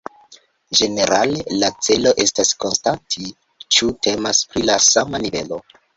Ĝenerale la celo estas konstati ĉu temas pri la sama nivelo.